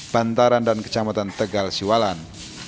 bantaran dan kecamatan tegal siwalan